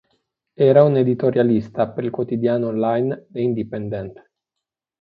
Era un editorialista per il quotidiano online The Independent.